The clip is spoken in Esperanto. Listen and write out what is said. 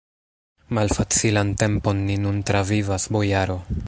Malfacilan tempon ni nun travivas, bojaro!